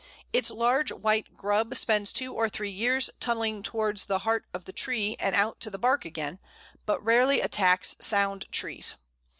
Its large white grub spends two or three years tunnelling towards the heart of the tree and out to the bark again, but rarely attacks sound trees.